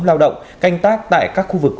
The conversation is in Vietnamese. lao động canh tác tại các khu vực